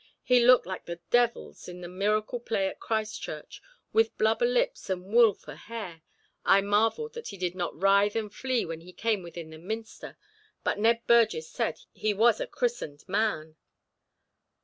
He looked like the devils in the Miracle Play at Christ Church, with blubber lips and wool for hair. I marvelled that he did not writhe and flee when he came within the Minster, but Ned Burgess said he was a christened man."